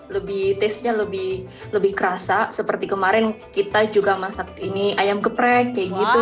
lebih taste nya lebih kerasa seperti kemarin kita juga masak ini ayam geprek kayak gitu